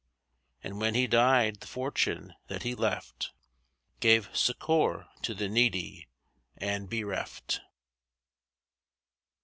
And when he died the fortune that he left Gave succour to the needy and bereft.